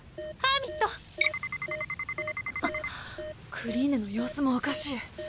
クリーネの様子もおかしい。